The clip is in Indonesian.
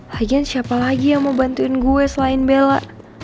hajan siapa lagi yang mau bantuin gue selain bella